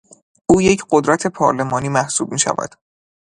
او یک قدرت پارلمانی محسوب میشود.